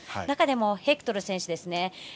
中でもヘクトル選手ですね。